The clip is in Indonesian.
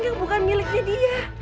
yang bukan miliknya dia